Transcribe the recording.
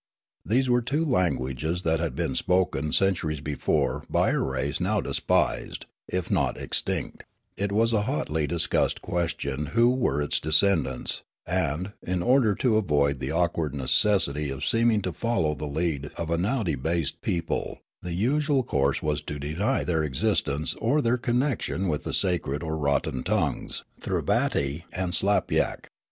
These were two languages that had been spoken centuries before by a race now despised, if not extinct ; it was a hotly discussed ques tion who were its descendants, and, in order to avoid the awkward necessity of seeming to follow the lead of a now debased people, the usual course was to deny their existence or their connection with the sacred or rotten tongues — Thribbaty and Slapyak.